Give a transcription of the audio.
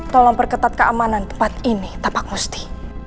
tolong perketat keamanan tempat ini tapan pusti